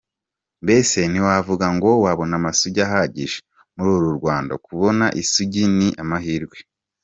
Mbese ntiwavuga ngo wabona amasugi ahagije muri uru Rwanda, kubona isugi ni amahirwe.